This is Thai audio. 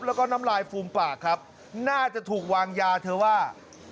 แล้วก็น้ำลายฟูมปากครับน่าจะถูกวางยาเธอว่า